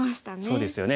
そうですよね。